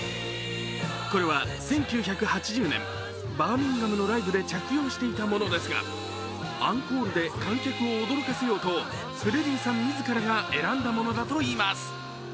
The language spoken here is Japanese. これは１９８０年、バーミンガムのライブで着用していたものですがアンコールで観客を驚かせようとフレディさん自らが選んだものだといいます。